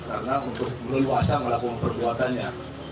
karena untuk meluasa melakukan perbuatannya